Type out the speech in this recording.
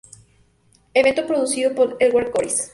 Evento producido por Edward Goris.